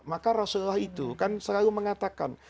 maka rasulullah itu kan selalu mengatakan